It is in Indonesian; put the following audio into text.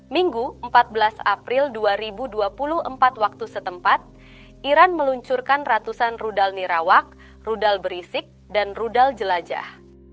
minggu empat belas april dua ribu dua puluh empat waktu setempat iran meluncurkan ratusan rudal nirawak rudal berisik dan rudal jelajah